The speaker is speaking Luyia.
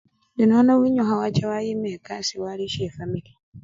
Indi nono winyukha wacha wayima ekasii walisya efwamili.